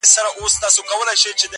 • د مرگي راتلو ته، بې حده زیار باسه.